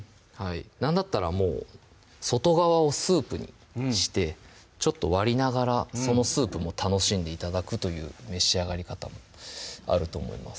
なんだったらもう外側をスープにしてちょっと割りながらそのスープも楽しんで頂くという召し上がり方もあると思います